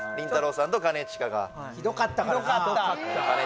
さんと兼近がひどかったからなかね